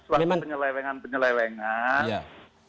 tadi suatu penyelewengan penyelewengan